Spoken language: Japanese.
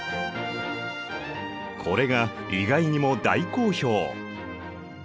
これが意外にも大好評！